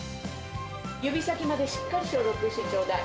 指先までしっかり消毒してちょうだい。